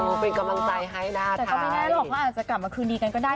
แต่เขาไม่ได้หรอกเขาอาจจะกลับมาคืนดีกันก็ได้